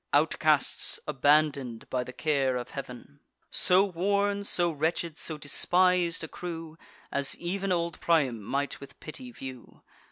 Outcasts, abandon'd by the care of Heav'n; So worn, so wretched, so despis'd a crew, As ev'n old Priam might with pity view.